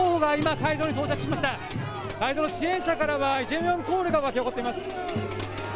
会場の支援者からはイ・ジェミョンコールが沸き起こっています。